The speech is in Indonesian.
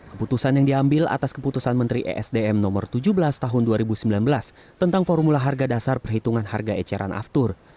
keputusan yang diambil atas keputusan menteri esdm nomor tujuh belas tahun dua ribu sembilan belas tentang formula harga dasar perhitungan harga eceran aftur